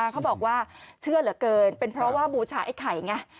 เขาบอกว่าเชื่อเหลือเกินเป็นเพราะว่าบูชาไอ้ไข่ไง